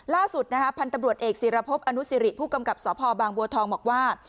ล่าสุดพันธุ์ตำรวจเอกศิรพบอนุสิริผู้กำกับสพบางบัวทองบอกว่า